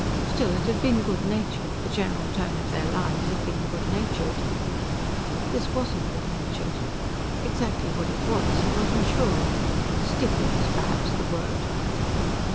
Still, it had been good natured; the general tone of their lives had been good natured. This wasn't good natured. Exactly what it was he wasn't sure. "Stiff" was perhaps the word.